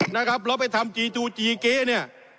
นะครับแล้วไปทำจีจูจีเก๊เนี่ย